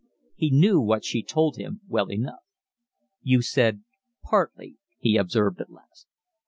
He knew what she told him well enough. "You said partly," he observed at last.